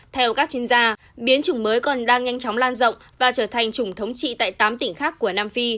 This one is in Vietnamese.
theo các chuyên gia biến chủng mới còn đang nhanh chóng lan rộng và trở thành chủng thống trị tại tám tỉnh khác của nam phi